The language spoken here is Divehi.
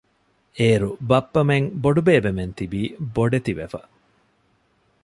އޭރު ބައްޕަމެން ބޮޑުބޭބެމެން ތިބީ ބޮޑެތި ވެފަ